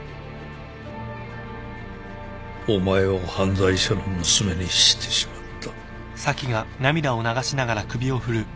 お前を犯罪者の娘にしてしまった。